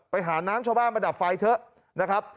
ไปหาน้ำชาวบ้านมาดับไฟเถอะนะครับ